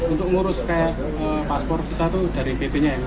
untuk ngurus kayak paspor visa tuh dari pp nya ya